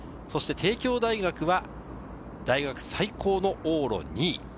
そして帝京大学は大学最高の往路２位。